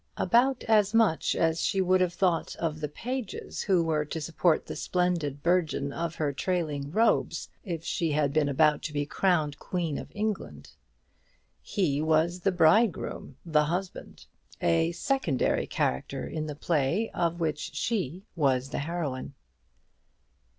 About as much as she would have thought of the pages who were to support the splendid burden of her trailing robes, if she had been about to be crowned Queen of England. He was the bridegroom, the husband; a secondary character in the play of which she was the heroine.